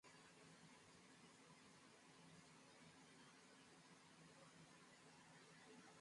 na daftari la Ukoo kwa kila Ukoo na kila familia iliyo kwenye eneo lake